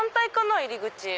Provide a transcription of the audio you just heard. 入り口。